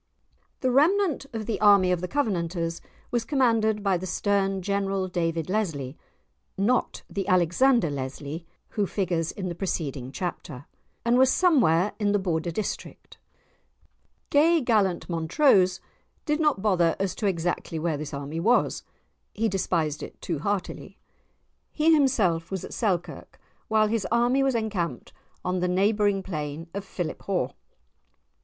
The remnant of the army of the Covenanters was commanded by the stern General David Lesly (not the Alexander Leslie who figures in the preceding chapter), and was somewhere in the Border district. Gay Gallant Montrose did not bother as to exactly where this army was; he despised it too heartily. He himself was at Selkirk, while his army was encamped on the neighbouring plain of Philiphaugh.